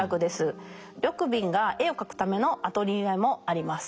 緑敏が絵を描くためのアトリエもあります。